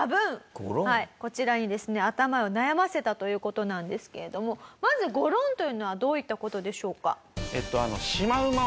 こちらにですね頭を悩ませたという事なんですけれどもまずゴロンというのはどういった事でしょうか？